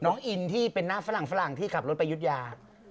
น้องอินที่เป็นหน้าฝรั่งฝรั่งที่ขับรถไปยุธยา